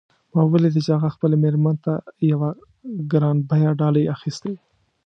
ما ولیدل چې هغه خپلې میرمن ته یوه ګران بیه ډالۍ اخیستې